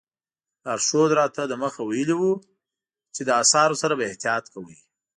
لارښود راته دمخه ویلي وو چې له اثارو سره به احتیاط کوئ.